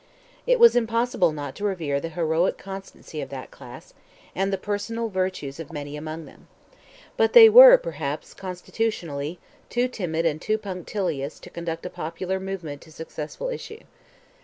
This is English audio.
It was impossible not to revere the heroic constancy of that class, and the personal virtues of many among them. But they were, perhaps, constitutionally, too timid and too punctilious to conduct a popular movement to a successful issue.